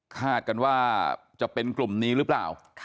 กันว่าจะเป็นกลุ่มนี้หรือเปล่า